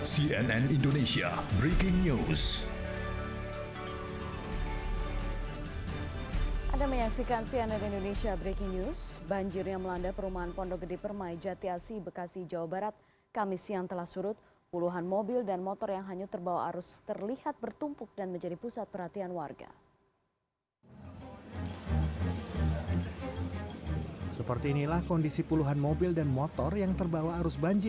cnn indonesia breaking news